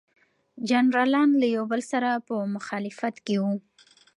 جنرالان له یو بل سره په مخالفت کې وو.